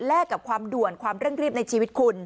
กับความด่วนความเร่งรีบในชีวิตคุณ